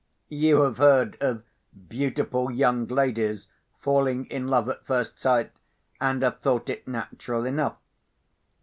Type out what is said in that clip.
You have heard of beautiful young ladies falling in love at first sight, and have thought it natural enough.